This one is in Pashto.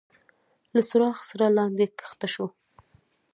له څراغ سره لاندي کښته شو.